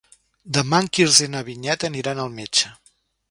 Demà en Quirze i na Vinyet aniran al metge.